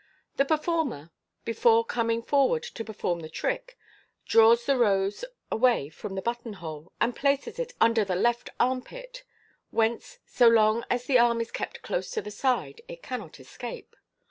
The performer, before coming forward to perform the trick, draws the rose awi) from the button hole, and places it under the leii armpit, whence, so long as the aim is kept close to the side, it cannot escape.